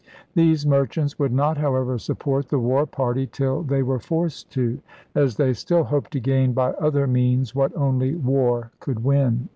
These merchants would not, however, support the war party till they were forced to, as they 149 150 ELIZABETHAN SEA DOGS still hoped to gain by other means what only war could win.